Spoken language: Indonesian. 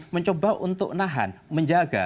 mencoba untuk nahan menjaga